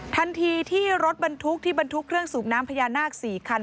ทันทีที่รถบรรทุกที่บรรทุกเครื่องสูบน้ำพญานาค๔คัน